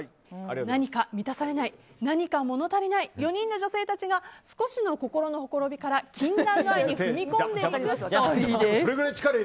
何か満たされない何か物足りない４人の女性たちが少しの心のほころびから禁断の愛に踏み込んでいくストーリーです。